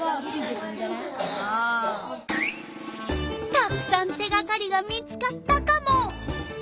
たくさん手がかりが見つかったカモ。